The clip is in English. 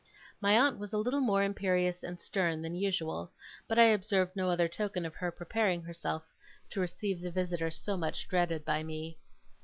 My aunt was a little more imperious and stern than usual, but I observed no other token of her preparing herself to receive the visitor so much dreaded by me.